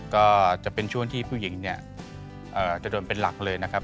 ก็จะเป็นช่วงที่ผู้หญิงเนี่ยจะโดนเป็นหลักเลยนะครับ